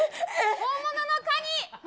本物のカニや！